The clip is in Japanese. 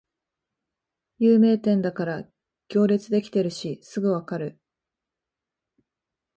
有名店だから行列できてるしすぐわかる